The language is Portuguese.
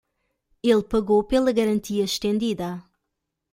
Ele pagou pela garantia extendida